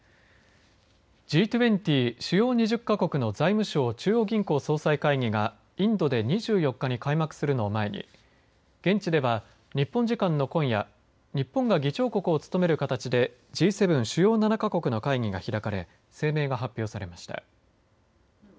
Ｇ２０、主要２０か国の財務相・中央銀行総裁会議がインドで２４日に開幕するのを前に現地では日本時間の今夜日本が議長国を務める形でＧ７主要７か国の会議が開かれ声明が発表されました。